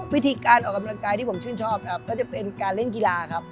วิธีการออกกำลังกายที่ผมชื่นชอบครับก็จะเป็นการเล่นกีฬาครับ